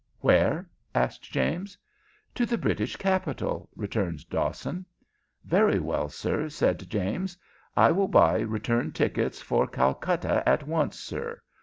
"Where?" asked James. "To the British capital," returned Dawson. "Very well, sir," said James. "I will buy return tickets for Calcutta at once, sir.